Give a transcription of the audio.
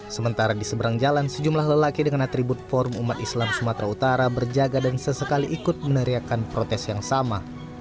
sementara di seberang jalan sejumlah lelaki dengan atribut forum umat islam sumatera utara berjaga dan sesekali ikut meneriakan protes yang sama